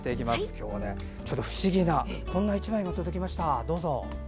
今日は不思議な１枚が届きました。